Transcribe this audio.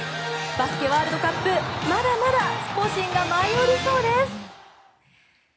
バスケワールドカップまだまだスポ神が舞い降りそうです。